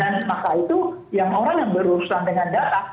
dan semasa itu yang orang yang berurusan dengan data